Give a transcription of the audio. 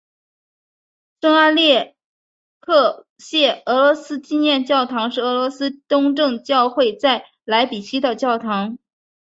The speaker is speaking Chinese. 圣阿列克谢俄罗斯纪念教堂是俄罗斯东正教会在莱比锡的教堂。